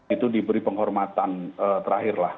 itu diberi penghormatan terakhirlah